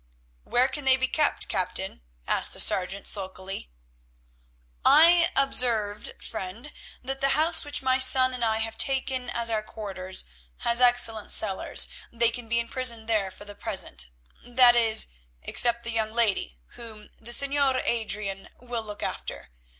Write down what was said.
"Where can they be kept, captain?" asked the sergeant sulkily. "I observed, friend, that the house which my son and I have taken as our quarters has excellent cellars; they can be imprisoned there for the present—that is, except the young lady, whom the Señor Adrian will look after.